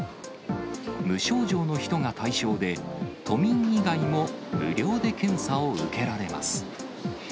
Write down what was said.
無症状の人が対象で、都民以外も無料で検査を受けられます。